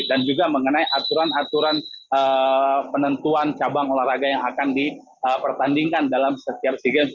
dan juga mengenai aturan aturan penentuan cabang olahraga yang akan dipertandingkan dalam setiap sea games